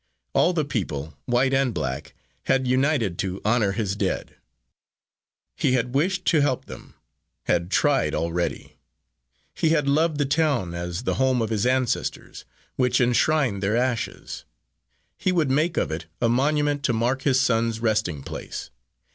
All the people, white and black, had united to honour his dead. He had wished to help them had tried already. He had loved the town as the home of his ancestors, which enshrined their ashes. He would make of it a monument to mark his son's resting place.